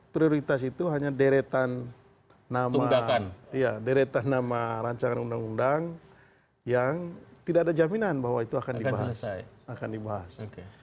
prioritas itu hanya deretan nama deretan nama rancangan undang undang yang tidak ada jaminan bahwa itu akan dibahas